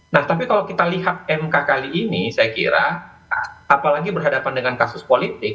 nah tapi kalau kita lihat mk kali ini saya kira apalagi berhadapan dengan kasus politik